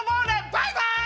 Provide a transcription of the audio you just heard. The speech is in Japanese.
バイバイ！